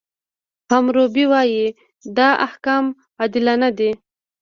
حموربي وایي، دا احکام عادلانه دي.